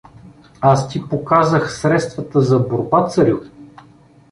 — Аз ти показах средствата за борба, царю.